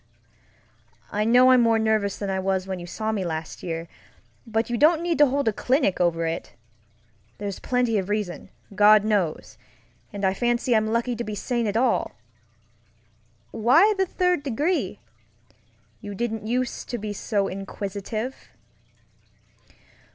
I know I'm more nervous than I was when you saw me last year, but you don't need to hold a clinic over it. There's plenty of reason, God knows, and I fancy I'm lucky to be sane at all. Why the third degree? You didn't use to be so inquisitive.